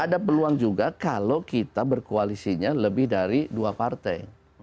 ada peluang juga kalau kita berkoalisinya lebih dari dua partai